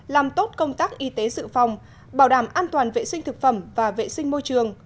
làm tốt công tác y tế dự phòng bảo đảm an toàn vệ sinh thực phẩm và vệ sinh môi trường